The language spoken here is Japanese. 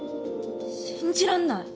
信じらんない！